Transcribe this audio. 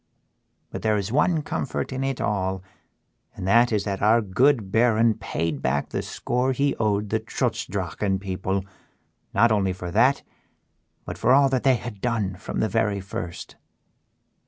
But there is one comfort in it all, and that is that our good Baron paid back the score he owed the Trutz Drachen people not only for that, but for all that they had done from the very first."